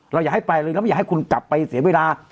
อย่าให้ไปเลยเราไม่อยากให้คุณกลับไปเสียเวลา